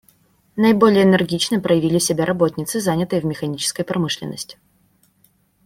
Наиболее энергично проявили себя работницы, занятые в механической промышленности.